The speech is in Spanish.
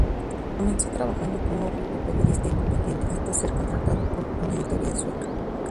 Comenzó trabajando como fotoperiodista independiente hasta ser contratado por una editorial sueca.